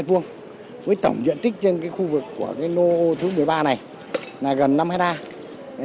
với tổng diện tích trên cái khu vực của cái nô thứ một mươi ba này là gần năm hectare